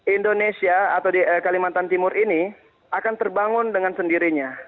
indonesia atau di kalimantan timur ini akan terbangun dengan sendirinya